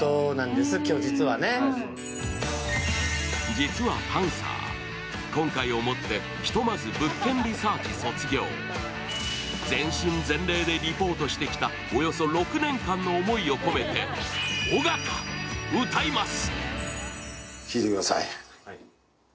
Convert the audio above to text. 実は、パンサー今回をもって、ひとまず「物件リサーチ」卒業。全身全霊でリポートしてきたおよそ６年間の思いを込めて尾形、歌います。